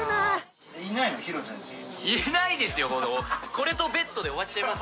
これとベッドで終わっちゃいます